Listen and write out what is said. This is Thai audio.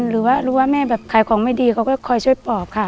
หรือว่ารู้ว่าแม่แบบขายของไม่ดีเขาก็คอยช่วยปอบค่ะ